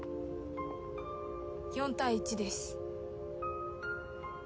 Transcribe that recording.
４対１です。